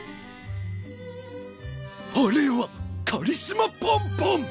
あれはカリスマボンボン！？